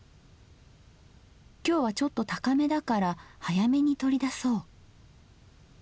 今日はちょっと高めだから早めに取り出そう。